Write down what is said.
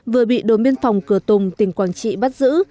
vừa bị đồn biên phòng cửa tùng tỉnh quảng trị bắt giữ